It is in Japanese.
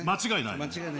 間違いない。